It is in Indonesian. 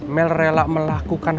mel rela melakukan